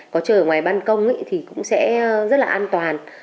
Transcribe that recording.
có trời ở ngoài ban công thì cũng sẽ rất là an toàn